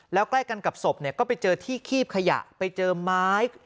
แล้วใกล้กันกับศพก็ไปเจอที่คีบขยะไปเจอไม้